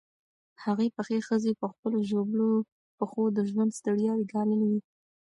هغې پخې ښځې په خپلو ژوبلو پښو د ژوند ستړیاوې ګاللې وې.